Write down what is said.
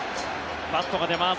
バットが出ます。